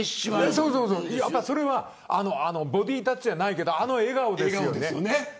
そうそう、それはボディータッチじゃないけどあの笑顔ですよね。